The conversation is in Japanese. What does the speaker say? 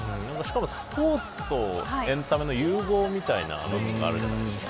スポーツとエンタメの融合みたいなものがあるじゃないですか。